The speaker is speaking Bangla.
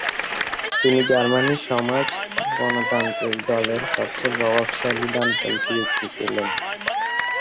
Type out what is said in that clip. তিনি জার্মানির সমাজ-গণতান্ত্রিক দলের সবচেয়ে প্রভাবশালী ডানপন্থী ব্যক্তি ছিলেন।